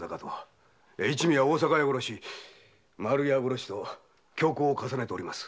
一味は大阪屋殺し丸屋殺しと凶行を重ねております。